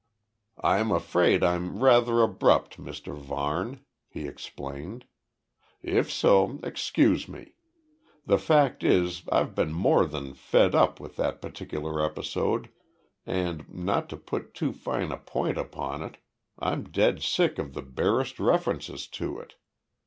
"I'm afraid I'm rather abrupt, Mr Varne," he explained. "If so, excuse me. The fact is, I've been more than `fed up' with that particular episode, and, not to put too fine a point upon it, I'm dead sick of the barest references to it.